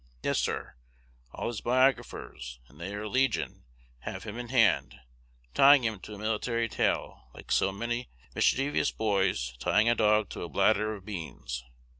Yes, sir, all his biographers (and they are legion) have him in hand, tying him to a military tail, like so many mischievous boys tying a dog to a bladder of beans.